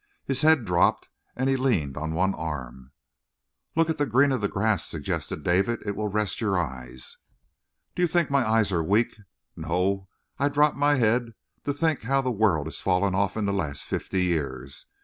His head dropped and he leaned on one arm. "Look at the green of the grass," suggested David. "It will rest your eyes." "Do you think my eyes are weak? No, I dropped my head to think how the world has fallen off in the last fifty years.